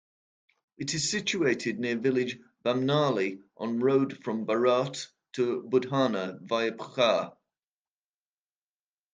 It is situated near village Bamnauli on road from Baraut to Budhana via Puchar.